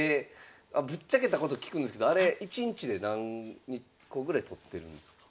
ぶっちゃけたこと聞くんですけどあれ１日で何個ぐらい撮ってるんですか？